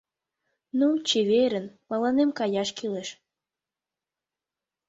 Ну, чеверын, мыланем каяш кӱлеш.